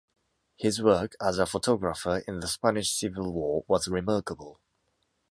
His work as a photographer in the Spanish Civil War was remarkable.